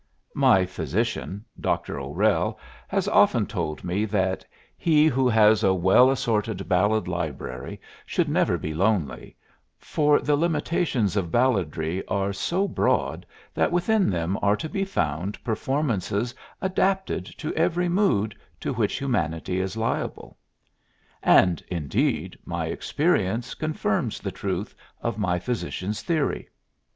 My physician, Dr. O'Rell, has often told me that he who has a well assorted ballad library should never be lonely, for the limitations of balladly are so broad that within them are to be found performances adapted to every mood to which humanity is liable. And, indeed, my experience confirms the truth of my physician's theory.